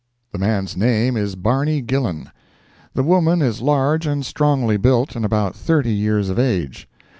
The man's name is Barney Gillan. The woman is large and strongly built, and about thirty years of age.